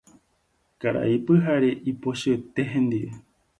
Karai Pyhare ipochyete hendive.